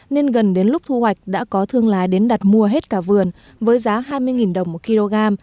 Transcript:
nên gần đến lúc thu hoạch đã có thương lái đến đặt mua hết cả vườn với giá hai mươi đồng một kg